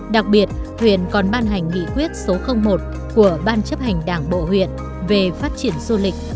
đặc biệt huyện còn ban hành nghị quyết số một của ban chấp hành đảng bộ huyện về phát triển du lịch